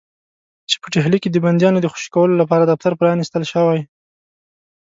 چې په ډهلي کې د بندیانو د خوشي کولو لپاره دفتر پرانیستل شوی.